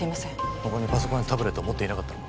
他にパソコンやタブレットは持っていなかったのか？